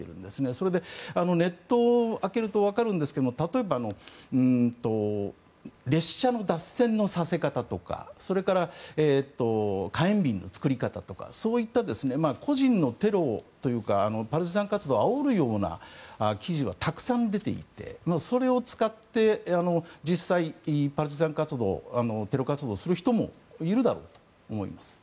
それで、ネットを開けるとわかるんですが例えば列車の脱線のさせ方とかそれから、火炎瓶の作り方とかそういった個人のテロというかパルチザン活動をあおるような記事はたくさん出ていてそれを使って実際、パルチザン活動テロ活動する人もいるだろうと思います。